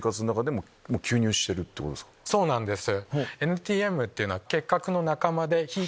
そうなんです。